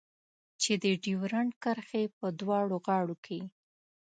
چې د ډيورنډ کرښې په دواړو غاړو کې.